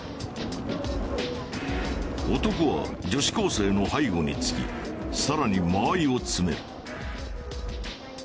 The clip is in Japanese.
男は女子高生の背後につき更に間合いを詰める。